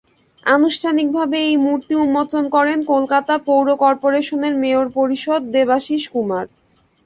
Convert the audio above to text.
আনুষ্ঠানিকভাবে এই মূর্তি উন্মোচন করেন কলকাতা পৌর করপোরেশনের মেয়র পারিষদ দেবাশীষ কুমার।